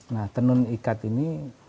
nah tenun ikat ini